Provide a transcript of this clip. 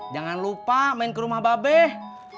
jangan lupa main ke rumah babeh